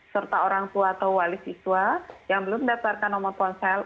serta orang tua atau wali siswa yang belum mendaftarkan nomor ponsel